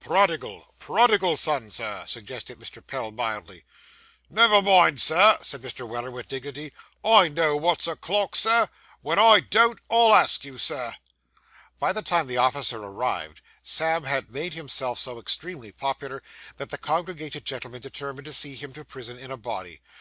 'Prodigal prodigal son, Sir,' suggested Mr. Pell, mildly. 'Never mind, Sir,' said Mr. Weller, with dignity. 'I know wot's o'clock, Sir. Wen I don't, I'll ask you, Sir.' By the time the officer arrived, Sam had made himself so extremely popular, that the congregated gentlemen determined to see him to prison in a body.